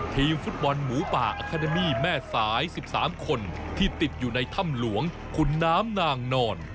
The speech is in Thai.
ทีมฟุตบอลหมูป่าแม่สายสิบสามคนที่ติดอยู่ในถ้ำหลวงคุณน้ำนางนอน